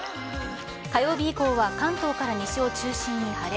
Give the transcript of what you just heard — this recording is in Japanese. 火曜日以降は関東から西を中心に晴れ。